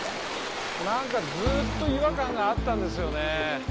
なんかずっと違和感があったんですよね。